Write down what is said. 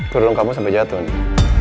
turun kamu sampai jatuh nih